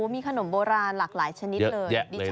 มีขนมโบราณหลากหลายชนิดเลย